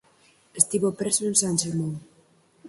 Estivo preso en San Simón.